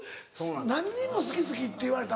何人も「好き好き」って言われた？